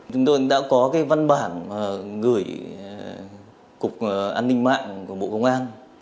chúng tôi đã có cái văn bản gửi cục an ninh mạng của bộ công an